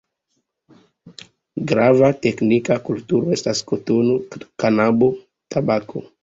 Grava teknika kulturo estas kotono, kanabo, tabako.